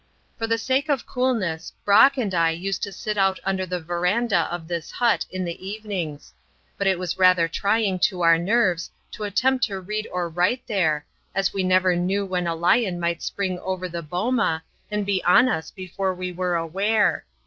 For the sake of coolness, Brock and I used to sit out under the verandah of this hut in the evenings; but it was rather trying to our nerves to attempt to read or write there, as we never knew when a lion might spring over the boma, and be on us before we were aware.